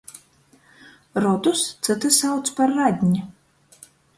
Rodus cyti sauc par radni.